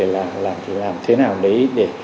làm thế nào để